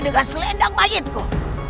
dengan selendang maitku